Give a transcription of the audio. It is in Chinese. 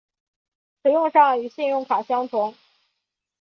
使用上与信用卡相同。